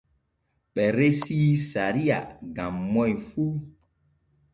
Ɓe resii sariya gam moy fu.